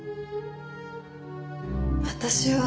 私は。